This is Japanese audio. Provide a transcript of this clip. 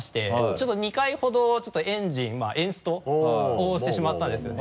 ちょっと２回ほどエンストをしてしまったんですよね。